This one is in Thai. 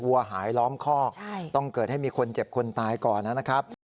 วัวหายล้อมคอกต้องเกิดให้มีคนเจ็บคนตายก่อนนะครับ